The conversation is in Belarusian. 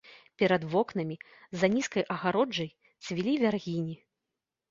Перад вокнамі, за нізкай агароджай, цвілі вяргіні.